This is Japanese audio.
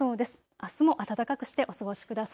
あすも暖かくしてお過ごしください。